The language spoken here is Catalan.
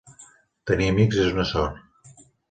Tenir amics és una sort.